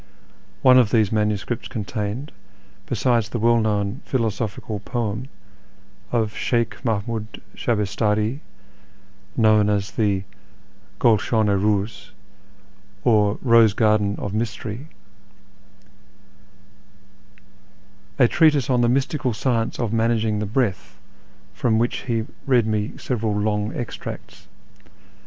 One of these manuscripts contained, besides the well known philosophical poem of Sheykh Mahmud Shabistari known as the G^ulshan i Rdz or " Eose Garden of Mystery," a treatise on the mystical science of managing the breath, from which he read me several long extracts.